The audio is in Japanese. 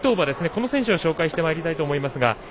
この選手を紹介してまいりたいと思います。